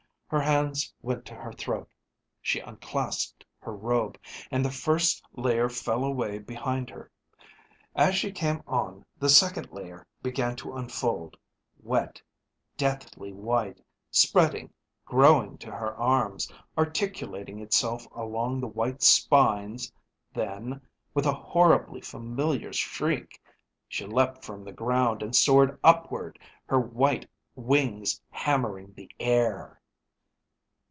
Her hands went to her throat, she unclasped her robe, and the first layer fell away behind her. As she came on, the second layer began to unfold, wet, deathly white, spreading, growing to her arms, articulating itself along the white spines; then, with a horribly familiar shriek, she leapt from the ground and soared upward, her white wings hammering the air.